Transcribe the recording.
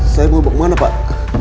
saya mau kemana pak